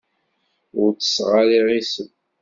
Ur ttesseɣ ara iɣisem.